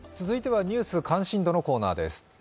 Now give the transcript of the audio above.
続いては「ニュース関心度」のコーナーです。